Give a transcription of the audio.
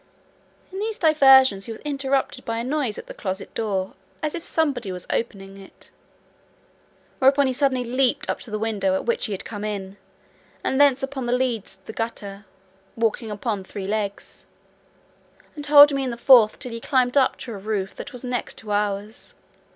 In these diversions he was interrupted by a noise at the closet door, as if somebody were opening it: whereupon he suddenly leaped up to the window at which he had come in, and thence upon the leads and gutters, walking upon three legs, and holding me in the fourth, till he clambered up to a roof that was next to ours.